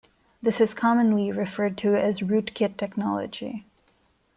This is commonly referred to as rootkit technology.